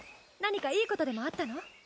何かいいことでもあったの？